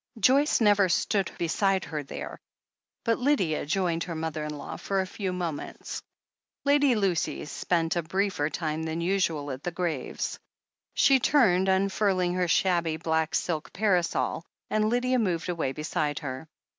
Joyce never stood beside her there, but Lydia joined her mother in law for a few moments. Lady Lucy spent a briefer time than usual at the graves. She turned, unfurling her shabby black silk parasol, and Lydia moved away beside her.